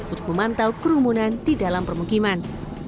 untuk memantau kerumunan di dalam permukiman